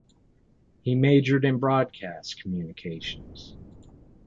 He majored in broadcast communications.